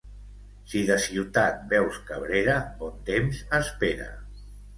Si de Ciutat veus Cabrera, bon temps espera.